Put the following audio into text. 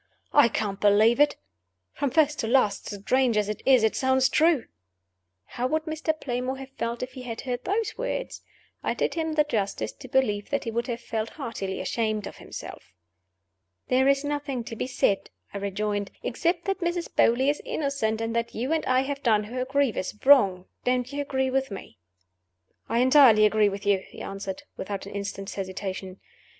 "I can't disbelieve it. From first to last, strange as it is, it sounds true." (How would Mr. Playmore have felt if he had heard those words? I did him the justice to believe that he would have felt heartily ashamed of himself.) "There is nothing to be said," I rejoined, "except that Mrs. Beauly is innocent, and that you and I have done her a grievous wrong. Don't you agree with me?" "I entirely agree with you," he answered, without an instant's hesitation.